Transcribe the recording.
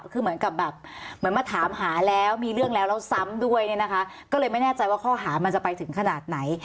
คือเหมือนกับแบบเหมือนมาถามหาแล้วมีเรื่องแล้วแล้วซ้ำด้วยเนี่ยนะคะก็เลยไม่แน่ใจว่าข้อหามันจะไปถึงขนาดไหน